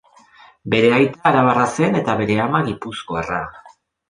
Bere aita arabarra zen eta bere ama gipuzkoarra.